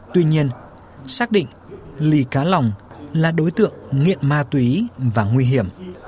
tuy nhiên xác định ly cá lòng là đối tượng nghiện ma túy và nguy hiểm